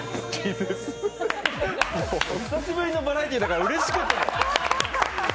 久しぶりのバラエディーだからうれしくて！